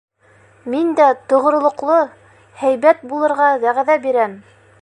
Мин дә тоғролоҡло, һәйбәт булырға вәғәҙә бирәм!..